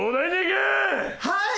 はい！